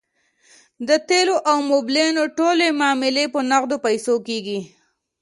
د تیلو او موبلاین ټولې معاملې په نغدو پیسو کیږي